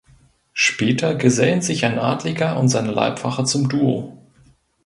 Später gesellen sich ein Adliger und seine Leibwache zum Duo.